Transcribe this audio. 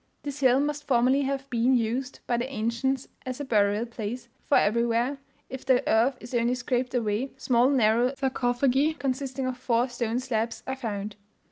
This hill must formerly have been used by the ancients as a burial place, for everywhere, if the earth is only scraped away, small narrow sarcophagi, consisting of four stone slabs, are found.